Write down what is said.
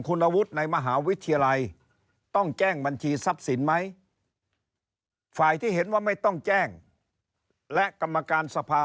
คุณวุฒิในมหาวิทยาลัยต้องแจ้งบัญชีทรัพย์สินไหมฝ่ายที่เห็นว่าไม่ต้องแจ้งและกรรมการสภา